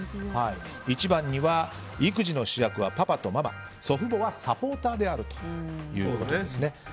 １番、育児の主役はパパとママ祖父母はサポーターであるということですね。